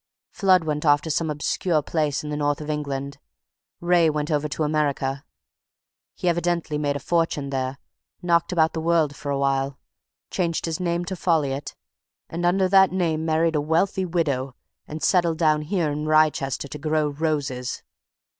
Flood went off to some obscure place in the North of England; Wraye went over to America. He evidently made a fortune there; knocked about the world for awhile; changed his name to Folliot, and under that name married a wealthy widow, and settled down here in Wrychester to grow roses!